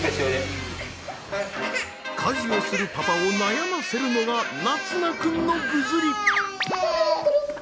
家事をするパパを悩ませるのが凪維君のぐずり。